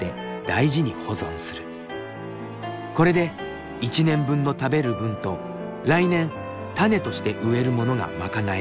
これで一年分の食べる分と来年種として植えるものが賄える。